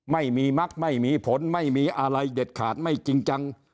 ไม่มีมักไม่มีผลไม่มีอะไรเด็ดขาดไม่จริงจัง